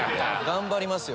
頑張りますよ。